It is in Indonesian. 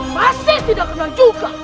masih tidak kenal juga